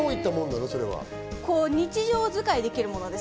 日常使いできるものです。